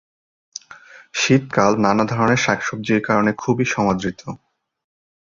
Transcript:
শীতকাল নানা ধরণের শাকসবজির কারণে খুবই সমাদৃত।